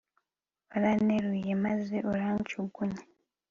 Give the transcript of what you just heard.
waranteruye maze uranjugunya